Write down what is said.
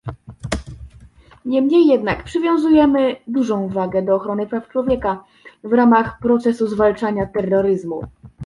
Niemniej jednak przywiązujemy dużą wagę do ochrony praw człowieka w ramach procesu zwalczania terroryzmu